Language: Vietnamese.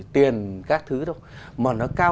tiền các thứ đâu mà nó cao